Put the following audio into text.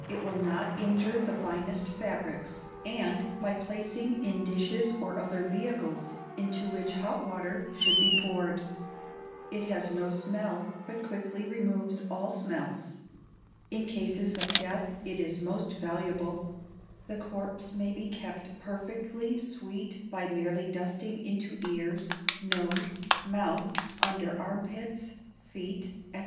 (it will not injure the finest fabrics), and by placing in dishes or other vehicles, into which hot water should be poured. It has no smell, but quickly removes all smells. In cases of death it is most valuable; the corpse may be kept perfectly sweet by merely dusting into ears, nose, mouth, under arm pits, feet, &c.